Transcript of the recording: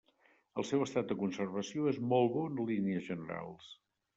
El seu estat de conservació és molt bo en línies generals.